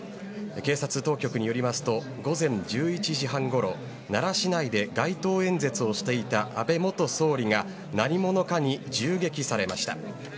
警察当局によりますと午前１１時半ごろ奈良市内で街頭演説をしていた安倍元総理が何者かに銃撃されました。